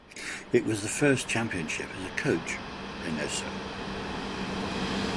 It was the first championship as a coach Reinoso.